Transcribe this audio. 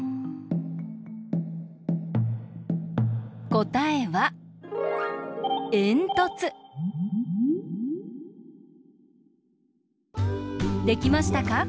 こたえはできましたか？